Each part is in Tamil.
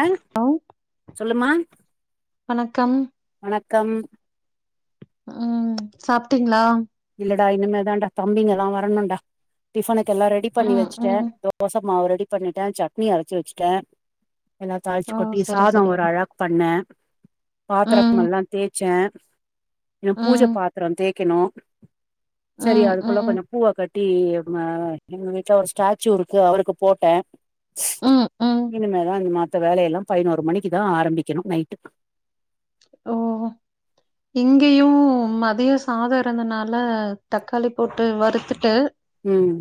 அ ஹலோ சொல்லுமா வணக்கம் வணக்கம் ம் சாப்ட்டீங்ளா இல்லடா இனிமேதான்டா தம்பிங்கல்லா வரணுன்டா டிபனுக்கு எல்லா ரெடி பண்ணி ம் வெச்சிட்டே ம் தோச மாவு ரெடி பண்ணிட்டே சட்னி அரச்சி வெச்சிட்டே எல்லா தாளிச்சி ஓ கொட்டி சரி சாதோ சரி ஒரு அளாக் பண்ணே ம் பாத்ரோம் எல்லா தேச்சே எ பூஜ ம் பாத்ரோ தேக்கணு சரி ம் அதுக்குள்ள ம் கொஞ்சோ பூவ கட் டி எங்க எங்க வீட்ல ஒரு ஸ்டாச்சூ இருக்கு அவருக்கு போட்டே ம் ம் இனிமேதா இந் மத்த வேல எல்லாம் பதினோரு மணிக்கு தா ஆரம்பிக்கணு நைட்டு ஓ ஓ இங்கேயு மதியோ சாதோ இருந்தனால தக்காளி போட்டு வறுத்துட்டு ம்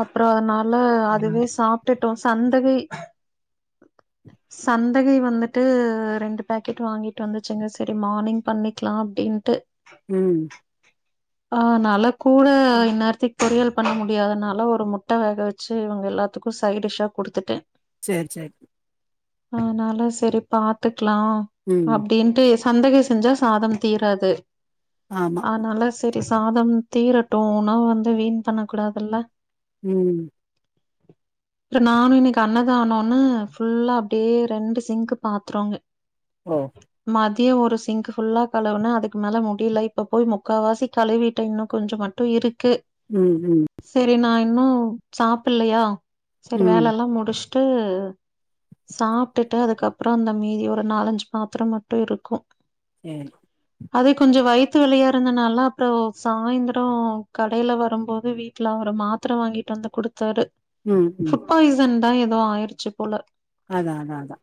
அப்றோ அதனால அதுவே சாப்ட்டுட்டோ சந்தகை சந்தகை வந்துட்டு ரெண்டு பேக்கெட் வாங்கிட்டு வந்துச்சுங்க செரி மார்னிங் பண்ணிக்கலா அப்டின்ட்டு ம் ஆ நாலா கூட இ்ந் நேர்த்திக் பொரியல் பண்ண முடியாதனால ஒரு முட்ட வேக வெச்சு இவுங்க எல்லாத்துக்கு சைடிஸ்ஸா குடுத்துட்டே சேரி சேரி அதனால சேரி பாத்துக்லா ம் அப்டின்ட்டு சந்தகை செஞ்சா சாதம் தீராது ஆமா அதனால சரி சாதம் தீரட்டு உணவு வந்து வீண் பண்ண கூடாதுல்ல ம் இல்ல நானு இன்னைக்கு அண்ணதானனு ஃபுல்லா அப்படியே ரெண்டு சிங்க் பாத்திறோங்க ஓ மதிய ஒரு சிங்க் ஃபுல்லா கலுவுன அதுக்கு மேல முடியல இப்ப போய் முக்காவாசி கழிவிட்டு இன்னு கொஞ்ச மட்டு இருக்கு ம் ம் சரி நா இன்னு சாப்பல்லையா சரி ம் வேல எல்லா முடிச்சுட்டு சாப்ட்டுட்டு அதுக்கப்பறோ அந்த மீதி ஒரு நாலஞ்சு பாத்திர மட்டு இருக்கு ம் அது கொஞ்ச வயித்து வலியா இருந்தனால அப்பறோ சாய்ந்தர கடையில வரும்போது வீட்ல அவரு மாத்திர வாங்கிட்டு வந்து குடுத்தாரு ம் ம் ரீசண்டா ஏதோ ஆயிடுச்சி போல அதா அதா அதா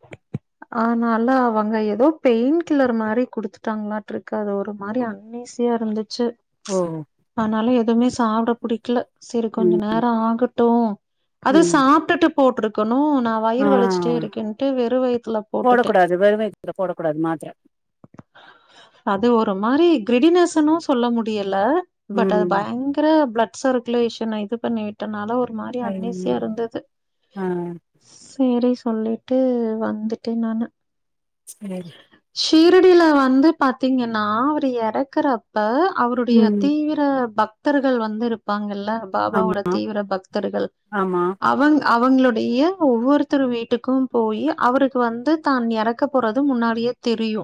ஆனால அவங்க ஏதோ பெயிண்ட் கில்லர் மாரி குடுத்துட்டாங்களான்ட்ருக் அது ஒரு மாரி அன்ஈசியா இருந்துச்சு ஓ ஆனால எதுவுமே சாப்பட புடிக்கல சரி கொஞ்ச ம் நேர ஆகட்டு அது ம் சாப்ட்டுட்டு போட்ருக்கணு நா ஆ வயிறு வலிச்சிட்டே இருக்குன்ட்டு வெறு வயத்துல போட்டுட்டே போடக்கூடாது வெறும் வயித்துல போடக்கூடாது மாத்திர அது ஒரு மாரி கிரடினேசனு சொல்ல முடியல பட் அது ம் பயங்கர பிளட் சர்க்குலேஷன் இது பண்ணிவிட் இத்தனால ஒரு மாரி ஐய்யய்யோ அன்னிசியா இருந்தது ஆ சேரி சொல்லிட்டு வந்துட்டே நானு சரி சிஷீரடியில வந்து பாத்தீங்கன்னா அவருஎறக்கறப்ப அவருடைய ம் தீவி ஆ பக்தர்கள் வந்து இருப்பாங்கல்ல பாபாவோட ஆமா தீவிர பக்தர்கள் ஆமா அவுங்க அவங்களுடைய ஒவ்வொருத்தரு வீட்டுக்கும் போயி அவருக்கு வந்து தான் எறக்க போறதும் முன்னாடியே தெரியு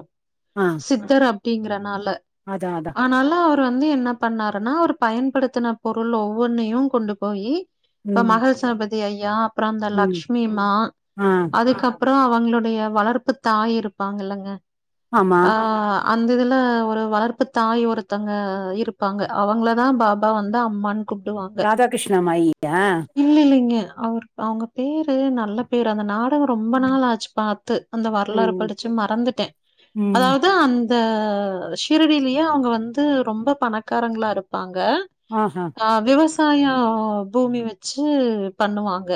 ஆ சித்தர் அப்டிங்கறனால அதா அதா அதனால அவர் வந்து என்ன பண்ணாருன்னா அவர் பயன்படுத்தின பொருள் ஒவ்வொன்னயு கொண்டு போயி இப்ப ம் மகள்சாபதி ஐயா அப்பறம் அந்த ம் லக்ஷிமிமா ஆ அதுக்கப் பறோ அவங்களுடைய வளர்ப்பு தாய் இருப்பாங்கல்லங்க ஆமா ஆ அந்த இதுல ஒரு வளர்ப்பு தாய் ஒருத்தங்க இருப்பாங்க அவங்கள தா பாபா வந்து அம்மான் ராதா கிருஷ்ணா மாயிட்ட இல்ல இல்லைங்க அவர் அவுங்க பேரு நல்ல பேரு அந்த நாட் அப்பாவ ரொம்ப ம் நாள் ஆச்சு பாத்து அந்த வரலாறு ம் படிச்சு மறந்துட்டே ம் அதாவது அந் இந்த சிறடியிலயே அவங்க வந்து ரொம்ப பணக்காரங்களா இருப்பாங்க ஆஹா அ விவசாய பூமி வச்சு பண்ணுவாங்க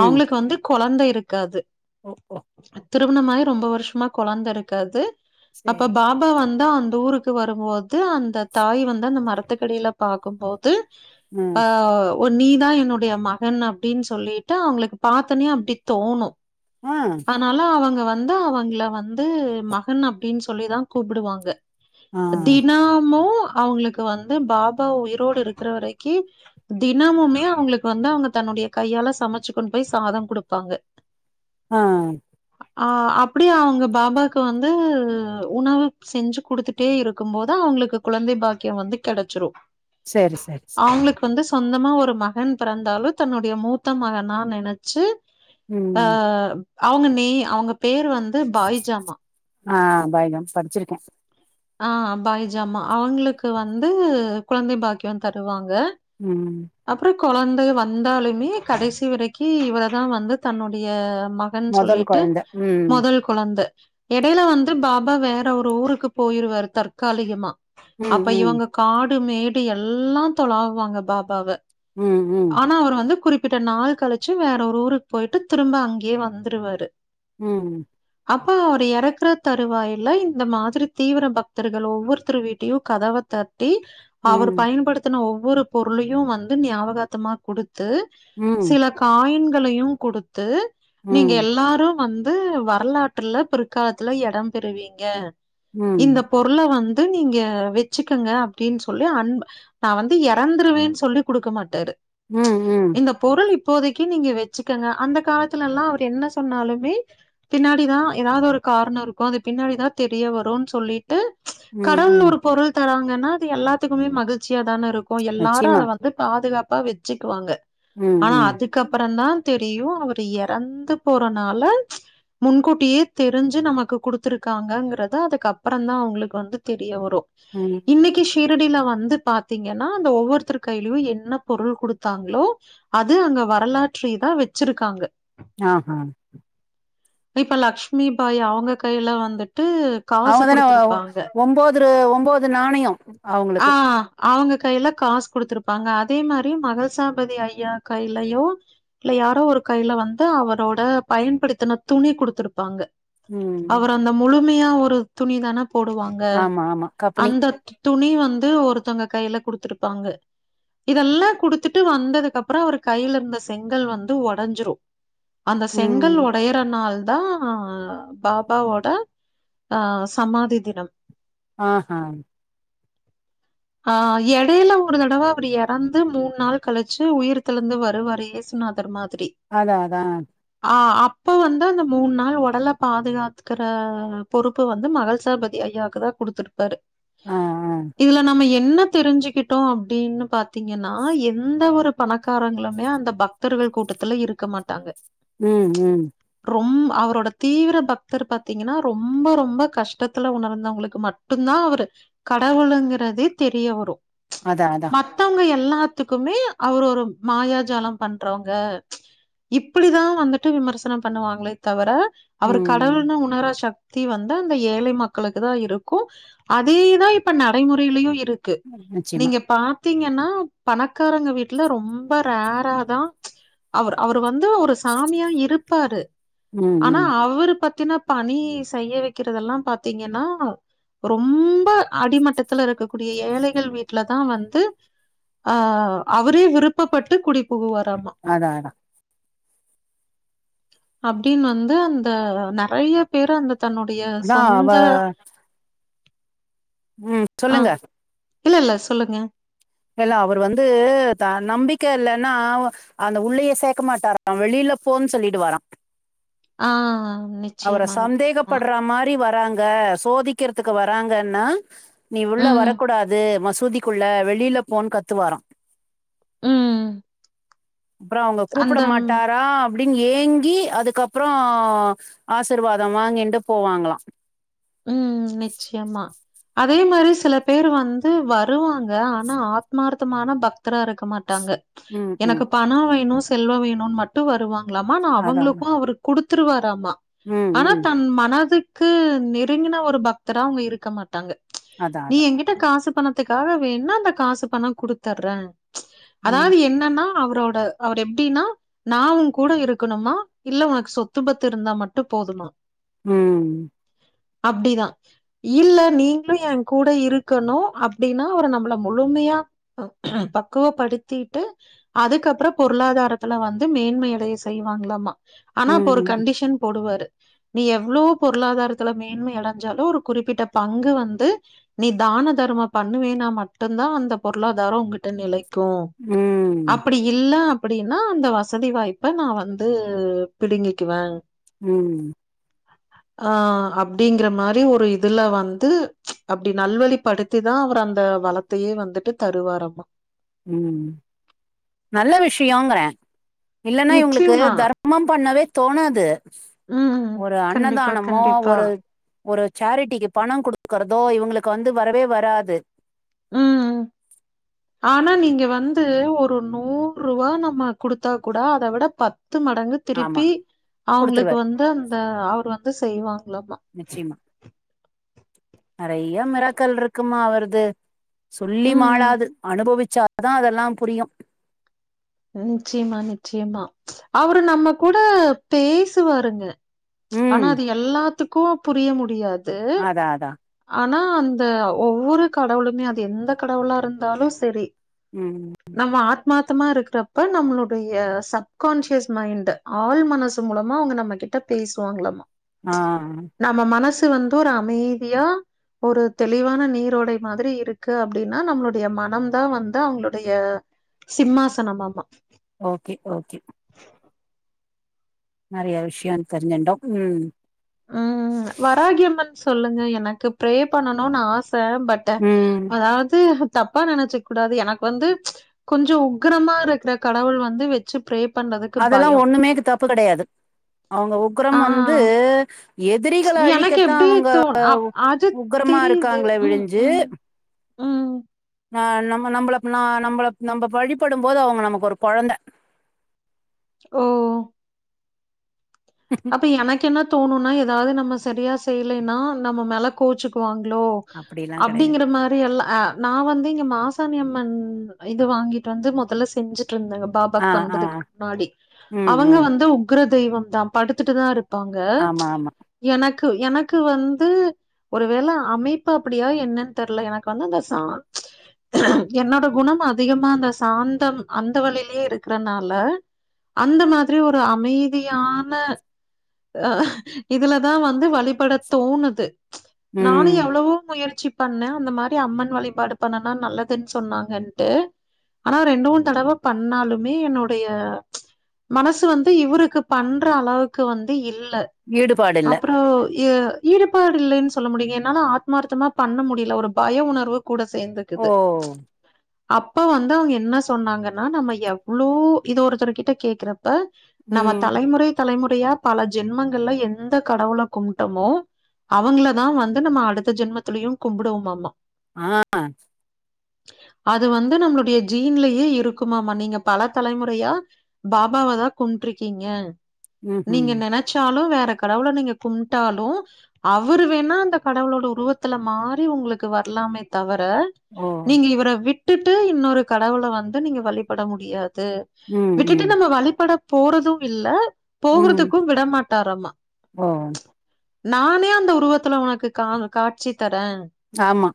ம் அவங்களுக்கு வந்து கொழந்த இருக்காது ஓ ஓ திருமணமாயி ரொம்ப வருஷமா கொழந்த இருக்காது அப்ப சரி பாப் ப்பா வந்தா அந்த ஊருக்கு வரும்போது அந்த தாய் வந்து அந்த மரத்துக்கடில பாக்கும்போது ஆ ஆவ் ஒ நீதா என்னுடைய மகன் அப்டின் சொல்லிட்டு அவ்ங்களுக் பாத்தோனே அப்டி தோணு ஆ அனால அவங்க வந்து அவங்ள வந்து மஹன் அப்டின் சொல்லிதா கூப்டுவாங்க ஆ தினாமு அவ்ங்ளுக் வந்து பாபா உயிரோடு இருக்ற வரைக்கி தினமுமே அவ்ங்ளுக் வந்து அவ்ங்க தன்னுடைய கையால சமச்சுக் கொண்டு போய் சாதம் கொடுப்பாங்க ஆ ஆ அப்டியா அவ்ங்கு பாபாக்கு வந்து உணவு செஞ்சு குடுத்துட் ட்டே இருக்கும் போது அவ்ங்ளுக்கு குழந்தை பாக்ய வந்து கெடச்சிரு சரி சரி சரி அவ்ங்ளுக் வந்து சொந்தமா ஒரு மஹன் பிறந்தாலு தன்னுடைய மூத்த மகனா நெனச்சு அ ம் அவ்ங்க நீ அவ்ங்க பேர் வந்து பாய்ஜாமா ஆ பாய்தா படிச்சிருக்கே ஆ பாய்ஜாமா அவ்ங்ளுக்கு வந்து குழந்தை பாக்யு தருவாங்க ம் அப்றோ கொழந்டு வந்தாலுமே கடேசி வரக்கி இவளதா வந்து தன்னுடைய மக் கன் முதல் சொல்லிட்டு குழந்த ம் மொதல் கு குழந்த எடைய்ல வந்து பாபா வேற ஒரு ஊருக்கு போயிருவார் தற்காலிகமா ம், அப்ப ம். இவங்க காடு மேடு எல்லா தொளாவ்வாங்க பாபாவ ம் ம் ஆனா அவர் வந்து குறிப்பிட்ட நாள் கழிச்சு வேற ஒரு ஊருக் போய்ட்டு திரும்ப அங்க்யே வந்துருவாரு ம் உ அப்ப அவர் யறக்ற தருவாயில இந்த மாதிரி தீவிர பக்தர்கள் ஒவ்வொருத்தர் வீட்டையு கதவ தட்டி அவர் ம். பயன்படுத் த்தன ஒவ்வொரு பொருளையு வந்து ஞாபகாத்தமா குடுத்து ம், ம். சிலக் காயின்களையு குடுத்து நீங்க ம், எல்லாரு வந்த் து வரலாற்றுல பிற்காலத்துல யடம் பெறுவீங்க ம். இந்த பொருள வந்து நீங்க வச்சிக்குங்க அப்டின் சொல்லி அன்ப தா வந்து எறந்துருவேன் சொல்லி குடுக்க மாட்டாரு ம் ம் இந்த பொருள் இப்போதைக்கி நீங்க வெச்சிக்கங்க அந்த காலத்துல எல்லா அவர் என்ன சொன்னாலுமே பின்னாடிதா எதாவ்து ஒரு காரணோ இருக்கோ அது பின்னாடிதா தெரிய வருன்ஸ் சொல்லிட்டு ம் கடவுள் ம் ஒரு பொருள் தராங்கன்னா அது எல்லாத்துக்குமே மகிழ்ச்சியா தான இருக் ஓ எல்லாரு நிச்சயமா. அத வந்து பாதுகாப்பா வெச்சுக்குவாங்க ம், ஆனா ம். அதுக் கப்புறன்தா தெரியு அவ்ரு எறந்து போறனால முன்கூட்டியே தெரிஞ்சி நமக்கு குடுத்துருக்காங்கங்கறத அதுக்கப் ப்பறன்தா அவ்ங்ளுக் வந்து தெரிய வரு ம். இன்னிக்கிஷ் திரடில வந்து பாத்தீங்கன்னா அந்த ஒவ்வொருத்தரு கையியு என்ன பொருள் குடுத்தாங்ளோ அது அங்க வரலாற்றைதா வெச்சிருக்காங்க யா ஹ பெய்ப்ப லக்ஷ்மி பாய் அவ்ங்க கைய்ல வந்துட்டு காசு த்தனஓ குடுத்துருப்பாங்க. ஒம்போத்ரு ஒம்போது நாணயோ ஆ அவ்ங்களுக்கு அவங்க கையில காசு குடுத்துருப்பாங்க அதே மாரி மகசாபதி ஐயா கையிலயோ இல்ல யாரோ ஒரு கையில வந்து அவரோட பயன்படுத்தின துணி குடுத்துருப்பாங்க ம். அவரு அந்த முழுமையா ஒரு துணி தான போடுவாங்க ஆமா, ஆமா. கம்பனி. அந்த துணி வந்து ஒருத்தவங்க கையில குடுத்துருப்பாங்க இதெல்லா குடுத்துட்டு வந்ததுக்கு அப்றோ அவரு கையில இருந்த செங்கல் வந்து ஒடஞ்சிரு அந்த செங்கல் ம். ஒடையற நாள்தா பாபாவோட ஆ சமாதி தினம் ஆஹா ஆ எடையில ஒரு தடவ அவரு எறந்து மூண் நாள் கழிச்சு உயிர்தெலுந்து வருவாரு ஏசு நாதர் தர்மாதிரி அதா அதா ஆ அப்ப வந்து அந்த மூண் நாள் ஒடல பாதுகாத்துக்குற பொறுப்பு வந்து மகள் சாபதி ஐயாக்குதா குடுத்துருப்பாரு ஆ, ஆ. இதுல நம்ம என்ன தெரிஞ்சுக்கிட்டோ அப்படின்னு பாத்தீங்கன்னா எந்த ஒரு பணக்காரங்களுமே அந்த பக்த பத்தர்கள் கூட்டத்துல இருக்க மாட்டாங்க ம் ம் ரொம் அவரோட தீவிர பக்தர் பாத்தீங்கன்னா ரொம் ரொம்ப ரொம்ப கஷ்டத்துல உணர்ந்தவங்களுக்கு மட்டுந்தா அவரு கடவுளுங்குறதே தெரிய வரு அதா அதா மத்தவங்க எல்லாத்துக்குமே அவரு ஒரு மாயாஜாலம் பண்றவங்க இப்பிடிதா வந்துட்டு விமர்சனம் பண்ணுவாங்களே தவிர அவரு ம். கடவுளுனு உணர சக்தி வந்து அந்த ஏழை மக்களுக்குதா இருக்கு அதேதா இப்ப நடைமுறைலயு இருக் கு நிச்சயமா. நீங்க பாத்தீங்கன்னா பணக்காரங்க வீட்ல ரொம்ப ரேராதா அவர் அவரு வந்து ஒரு சாமியா இருப்பாரு ம், ஆனா ம். அவுரு பத்தின பணி செய்ய வெக்கிறதெல்லா பாத்தீங்கன்னா ரொம்ப அடிமட்டத்துல இருக்கக்கூடிய ஏழைகள் வீட்லதா வந்து ஆ அவரே விருப்பப்பட்டு குடி புகுவாராமா அதா அதா அப்டின்னு வந்து அந்த நெறைய பேரு அந்த தன்னுடைய அதான் அவ சொந்த ம். ஆ சொல்லுங்க. இல்ல இல்ல சொல்லுங்க இல்ல அவரு வந்து நம்பிக்க இல்லன்னா அந்த உள்ளயே சேக்க மாட்டாரா வெளியில போன்னு சொல்லிடுவாரா ஆ அவர நிச்சயமா, நிச்சயமா. சந்தேகப்பட்ற மாரி வராங்க சோதிக்றதுக்கு வராங்கன்னா நீ உள்ள ம், வரக்கூடாது மசூதிக்குள்ள வெளில போன்னு கத்துவாரா ம் அப்ற அவங்க கூப்பிட அந்த மாட்டாரா அப்படின்னு ஏங்கி அதுக்கப்றோ ஆசிர்வாத வாங்கீன்டு போவாங்களா ம் நிச்சயமா அதே மாரி சில பேர் வந்து வருவாங்க ஆனா ஆத்மார்த்தமான பக்தரா இருக்க மாட்டாங்க ம் ம் எனக்கு பணோ வேணு செல்வோ வேணுனு மட்டு வருவாங்களாமா ஆனா அதா அவங்களுக்கு அவரு குடுத்துரு வாராமா ம் ஆனா ம் தன் மனதுக்கு ங்கன்னா ஒரு பக்தரா அவங்க இருக்க மாட்டாங்க அதா நீ அதா எங்க இப்ப காசு பணத்துக்காக வேண்ணா அந்த காசு பணோ குடுத்தர்றேன் ம் அதாவது என்னன்னா அவரோட அவர் எப்படின்னா நா உன்கூட இருக்கணுமா இல்ல உனக்கு சொத்து பத்து இருந்தா மட்டும் போதுமா ம் அப்டிதா இல்ல நீங்களும் என் கூட இருக்கணு அப்படின்னா அவர் நம்மள முழுமையா பக்குவப்படுத்திட்டு அதுக்கப்புறம் பொருளாதாரத்துல வந்து மேன்மையடைய செய்வாங்களாமா ஆனா அப்ப ஒரு ம் கண்டிஷன் போடுவாரு நீ எவ்ளோ பொருளாதாரத்துல மேன் மேன்மை அடைஞ்சாலும் ஒரு குறிப்பிட்ட பங்கு வந்து நீ தான தர்மம் பண்ணுவேனா மட்டும்தா அந்த பொருளாதாரம் உங்கிட்ட நிலை க்கும் ப ம் அப்படி இல்ல அப்படின்னா அந்த வசதி வாய்ப்ப நா வந்து பிடுங்கிக்குவேன் ம் ஆ அப் அப்படிங்கற மாறி ஒரு இதுல வந்து அப்படி நல்வழிப்படுத்தி தா அவர் அந்த வள த்தையே வந்துட்டு தருவாரமா ம் நல்ல விஷயோங்குறே இல்லன்னா இவுங்களுக்கு நிச்சயமா தர்ம ர்மம் பண்ணவே தோணாது ம். ஒரு கண்டிப்பா, அன்னதானமோ கண்டிப்பா. ஒரு ஒரு சேரட்டிக்கு பணம் குடுகறதோ இவுங்களுக்கு வந்து வரவே வராது ம் ஆனா நீங்க வந்து ஒரு நூறு ரூவா நம்ம குடுத்தா கூட அத விட பத்து மடங்கு ஆமா திருப்பி அவங்களுக்கு குடுத்துருவாரு வந்து அந்த அவர் வந்து செய்வாங்களாமா நிச்சயமா நிறய மிராக்கல் இருக்குமா அவரது சொல்லி ம். மாளாது அனுபவிச்சாதா அதெல்லா புரியும் நிச்சயமா நிச்சயமா அவரு நம்ம கூட பேசுவாருங்க ஆனா ம் அது எல்லாத்துக்கும் புரிய முடியாது தா தா ஆனா அந்த ஒவ்வொரு கடவுளுமே அது எந்த கடவுளா இருந்தாலும் சரி ம் நம்ம ஆத்மாத்தமா இருக்கிறப்ப நம்மளுடைய சப்கான்சியஸ் மைண்டு ஆள் மனசு மூலமா அவங்க நம்ம கிட்ட பேசுவாங்களாமா ஆ நம்ம மனசு வந்து ஒரு அமைதியா ஒரு தெளிவான நீரோடை மாதிரி இருக்கு அப்படின்னா நம்மளுடைய மனம தா வந்து அவங்களுடைய சிம்மாசனமாமா ஓகே ஓகே நறிய விஷய தெரிஞ்சிட்டோ ம் உம் வராகிஅம்மன் சொல்லுங்க எனக்கு ப்ரே பண்ணனும்னு ஆச பட் ம் அதாவது தப்பா நெனைச்சிக் கூடாது எனக் வந்து கொஞ்சோ உக்ரமா இருக்கிற கடவுள் வந்து வெ ச்சி ப்ரே பண்றது அதெல்லா ஒண்ணுமேக்கு தப்பு கிடையாது அவங்க உக்ரம் வந்து ஆஹ் எதிரிகள எனக்கு அழிக்கத்தா எப்டி அவுங்க தோண் அப் அது உக்கரமா தெரியுது இருக்காங்களே ம் விழிஞ்சி ம் ம் ஆ நம்ம நம்மள நா நம்மள நம்ப வழிபடு போது அவுங்க நமக்கு ஒரு கொழந்த ஓ அப்ப எனக்கு என்ன தோணுனா ஏதாவ்து நம்ம சரியா செய்யலைன்னா நம்ம மேல கோச்சுக்குவாங்களோ அப்படிலா கெடையாது அப்டிங்கிற மா ரியெல்ல நா வந்து இங்க மாசாணி அம்மன் இது வாங்கிட்டு வந்து முதல்ல செஞ்சுட்டு இருந்தேங்க ஆ பாபாக் ஆ பண்றதுக்கு முன்னாடி ம் அவுங்க ம் வந்து உக்ர தெய்வம்தா படுத்துட்டுதா இருப் பாங்க ஆமா ஆமா எனக்கு எனக்கு வந்து ஒருவேல அமைப்பு அப்டியோ என்னன்னு தெர்ல எனக்கு வந்து அந்த சா என்னோட குணம் அதிகமா அந்த சாந்தம் அந்த வழியிலயே இருக்கறனால அந்த மாதிரி ஒரு அமைதியா ன அ இதுல தா வந்து வழிபட தோணுது நானு ம் எவ்ளவோ முயற்சி பண்ண அந்த மாரி அம்மன் வழிபாடு பண்ணனா நல்லதுன்னு சொன்னாங்கன்ட்டு ஆனா ரெண்டு மூணு தடவ பண்ணாலுமே என்னுடைய மனசு வந்து இவ்ருக்கு பண்ற அளவுக்கு வந்து இல்ல ஈடுபாடு இல்ல அப்புறோ எ ஈடுபாடு இல்லைன்னு சொல்ல முடியு என்னால ஆத்மார்த்தமா பண்ண முடியில ஒரு பய உணர்வு கூட ஓ சேந்துக்குது அப்ப வந்து அவுங்க என்ன சொன்னாங்கன்னா நம்ம எவ்வளோ இது ஒருத்தருக்கிட்ட கேக்குறப் ப நம்ம ம் தலைமுறை தலைமுறையா பல ஜென்மங்கள்ல எந்த கடவுள கும்டோமோ அவுங்களதா வந்து நம்ம அடுத்த ஜென்மத்துலயு கும்புடுவோமாமா ஆ அது வந்து நம்மளுடைய ஜீன்லயே இருக்குமாமா நீங்க பல தலைமுறையா பாபாவ தா கும்ட்ரிக்கீங்க ம்ஹும் நீங்க நெனைச்சாலு வேற கடவுள நீங்க கும்ட்டாலு அவுரு வேணா அந்த கடவுளோட உருவத்துல மாறி உங்களுக்கு வர்லாமே தவர ஓ நீங்க இவ்ர விட்டுட்டு இன்னொரு கடவுள வந்து நீங்க வழிப்பட முடியாது ம் விட்டுட்டு ம் நம்ம வழிபட போறது இல்ல ம் போகுறதுக்கு விடமாட்டாராம ஓ நானே அந்த உருவத்துல உனக்கு கான காட்சி தரே ஆமா